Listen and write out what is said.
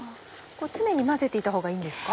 常に混ぜていたほうがいいんですか？